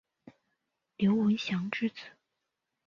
刘文翔之子。